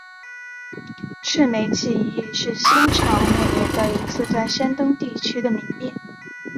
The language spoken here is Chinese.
赤眉起义是新朝末年的一次在山东地区的民变。